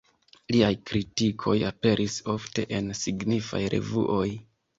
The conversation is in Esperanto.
Liaj kritikoj aperis ofte en signifaj revuoj.